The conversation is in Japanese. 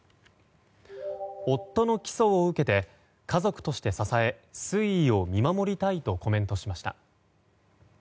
夫の起訴を受けて家族として支え推移を見守りたいとコメントしました。